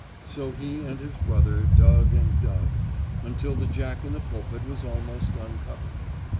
So he and his brother dug and dug, until the Jack in the Pulpit was almost uncovered.